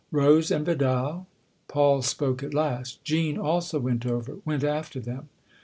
" Rose and Vidal ?" Paul spoke at last. " Jean also went over went after them."